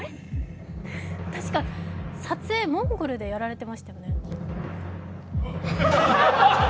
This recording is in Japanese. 確か撮影、モンゴルでやられていましたよね？